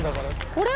これ。